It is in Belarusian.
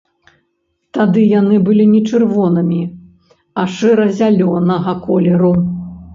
Тады яны былі не чырвонымі, а шэра-зялёнага колеру.